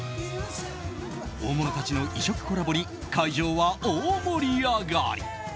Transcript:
大物たちの異色コラボに会場は大盛り上がり。